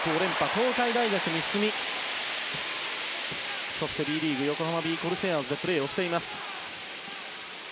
東海大学に進み、Ｂリーグ横浜ビー・コルセアーズでプレーをしています。